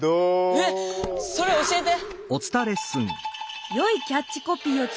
えっ⁉それ教えて！